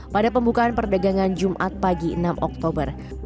pada pembukaan perdagangan jumat pagi enam oktober